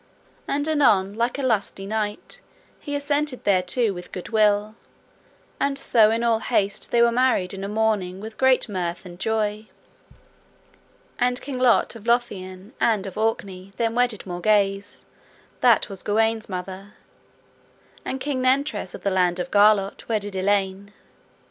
And anon, like a lusty knight, he assented thereto with good will, and so in all haste they were married in a morning with great mirth and joy. And King Lot of Lothian and of Orkney then wedded Margawse that was Gawaine's mother, and King Nentres of the land of Garlot wedded Elaine.